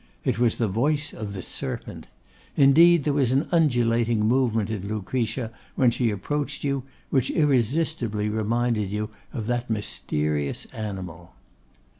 It was the voice of the serpent; indeed, there was an undulating movement in Lucretia, when she approached you, which irresistibly reminded you of that mysterious animal.